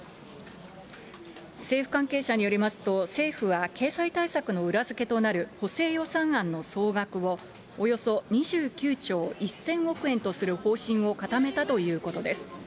政府関係者によりますと、政府は経済対策の裏付けとなる補正予算案の総額を、およそ２９兆１０００億円とする方針を固めたということです。